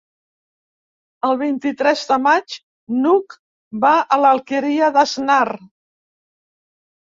El vint-i-tres de maig n'Hug va a l'Alqueria d'Asnar.